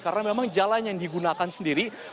karena memang jalan yang digunakan sendiri